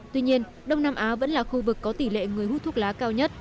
tuy nhiên đông nam á vẫn là khu vực có tỷ lệ người hút thuốc lá cao nhất